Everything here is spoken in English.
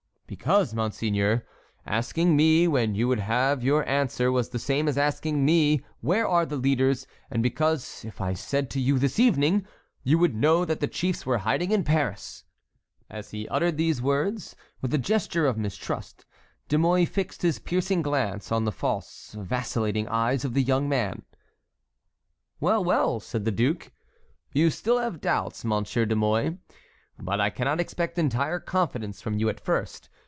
"Because, monseigneur, asking me when you would have your answer was the same as asking me where are the leaders, and because if I said to you, 'This evening,' you would know that the chiefs were hiding in Paris." As he uttered these words, with a gesture of mistrust, De Mouy fixed his piercing glance on the false vacillating eyes of the young man. "Well, well," said the duke, "you still have doubts, Monsieur de Mouy. But I cannot expect entire confidence from you at first.